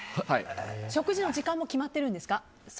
食事の時間も決まってるんですか？